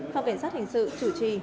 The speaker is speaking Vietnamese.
phòng cảnh sát hình sự chủ trì